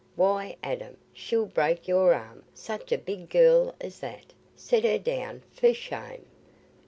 Why, Adam, she'll break your arm, such a big gell as that; set her down—for shame!"